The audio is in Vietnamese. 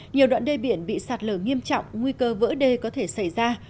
nhiều đoạn đê biển bị sạt lở nghiêm trọng nguy cơ vỡ đê có thể xảy ra